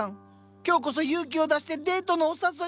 今日こそ勇気を出してデートのお誘いをば！